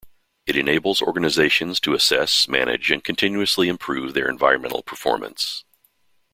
It enables organizations to assess, manage and continuously improve their environmental performance.